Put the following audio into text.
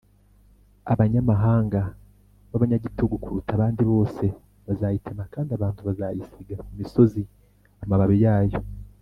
Abanyamahanga b abanyagitugu kuruta abandi bose bazayitema kandi abantu bazayisiga ku misozi amababi yayo